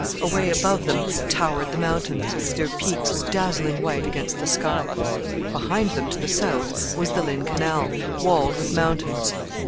Away above them towered the mountains, their peaks dazzling white against the sky. Behind them, to the south, was the Lynn Canal, walled with mountains.